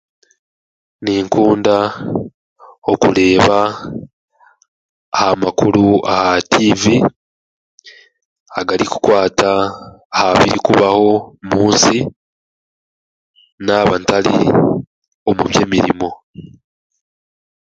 Ninkunda okureeba amakuru aha tiivi, agarikukwata aha birikubaho mu nsi naaba ntari omu by'emirimo.